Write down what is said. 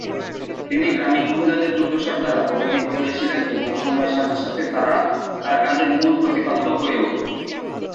তিনি গ্রামীণ মহিলাদের দুর্দশার দ্বারা প্রভাবিত হয়েছিলেন এবং সময়ের সাথে সাথে তারা তার কাজের মূল প্রতিপাদ্য হয়ে ওঠে।